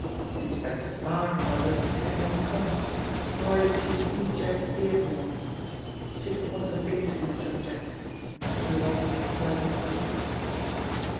Inspector Parr, however, did not come, nor did she see Jack Beardmore. She did not want to think too much of Jack. He was not a pleasant subject.